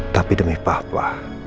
tapi demi papa